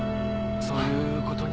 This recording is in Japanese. そういうことに。